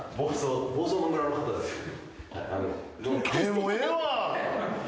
もうええわ。